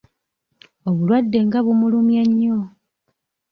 Obulwadde nga bumulumye nnyo.